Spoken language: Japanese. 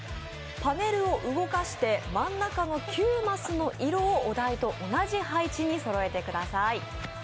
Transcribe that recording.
パネルを動かして、真ん中の９マスの色をお題と同じ配置にそろえてください。